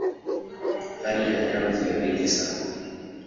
Hali ya hewa ni baridi sana.